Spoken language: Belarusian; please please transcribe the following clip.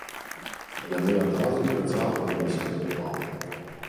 Яны адразу прыцягвалі да сябе ўвагу.